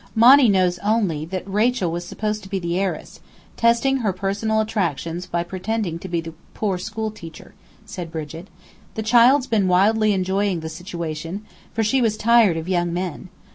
"Monny knows only that Rachel was supposed to be the heiress, testing her personal attractions by pretending to be the poor school teacher," said Brigit. "The child's been wildly enjoying the situation, for she was tired of young men.